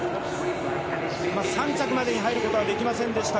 ３着までに入ることはできませんでした。